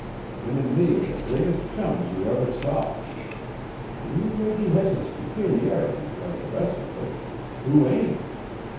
Him an' me are the greatest chums you ever saw. He mebbe has his peculiarities, like the rest of us. Who ain't?